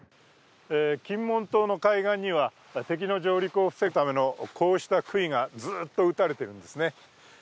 金門島の海岸には、敵の上陸を防ぐためのこうした杭がずっと打たれているんですね。